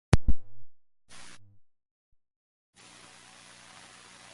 The Innerrhoden remained with the old faith.